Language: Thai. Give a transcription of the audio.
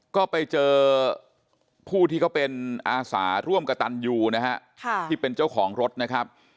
ก็ไปเจอผู้ที่เขาเป็นอาสาร่วมกระตันยูนะฮะที่เป็นเจ้าของรถนะครับ